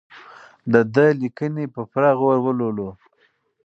د ده لیکنې په پوره غور ولولو.